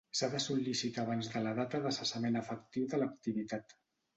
S'ha de sol·licitar abans de la data de cessament efectiu de l'activitat.